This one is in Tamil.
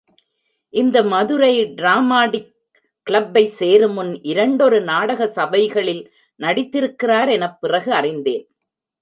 இந்த மதுரை டிராமாடிக் கிளப்பைச் சேருமுன், இரண்டொரு நாடக சபைகளில் நடித்திருக்கிறார் எனப் பிறகு அறிந்தேன்.